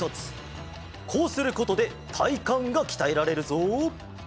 こうすることでたいかんがきたえられるぞ。